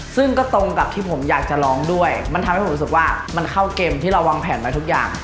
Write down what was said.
ซึ่งก็ตรงกับที่ผมอยากจะร้องด้วยมันทำให้ผมรู้สึกว่ามันเข้าเกมที่เราวางแผนมาทุกอย่าง